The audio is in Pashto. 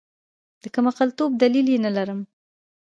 د کمعقلتوب دلیل یې نلرم.